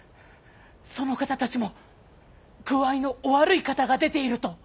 その方たちも具合のお悪い方が出ていると。